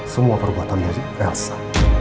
semua perbuatan dari elsa